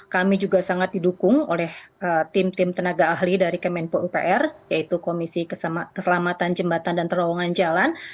kami juga sangat didukung oleh tim tim tenaga ahli dari kemenpo upr yaitu komisi keselamatan jembatan dan terowongan jalan